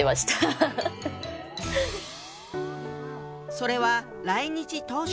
それは来日当初。